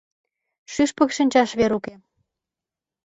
Шӱшпык шинчаш вер уке.